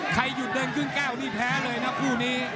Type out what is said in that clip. ใครหยุดเดินครึ่งแก้วนี่แพ้เลยนะคู่นี้